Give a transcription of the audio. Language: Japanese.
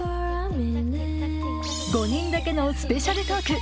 ５人だけのスペシャルトーク！